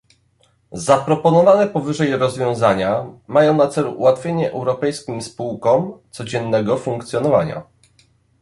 Zaproponowane powyżej rozwiązania mają na celu ułatwienie europejskim spółkom codziennego funkcjonowania